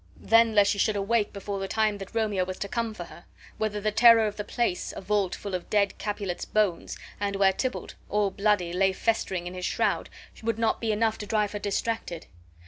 Then lest she should awake before the time that Romeo was to come for her; whether the terror of the place, a vault full of dead Capulets' bones, and where Tybalt, all bloody, lay festering in his shroud, would not be enough to drive her distracted.